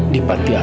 di pantai asuhan